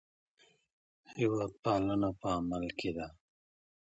هېوادپالنه په عمل کې ده.